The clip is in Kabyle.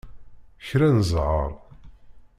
Kra n zzher!